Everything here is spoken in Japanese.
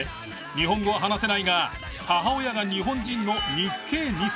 日本語は話せないが母親が日本人の日系２世。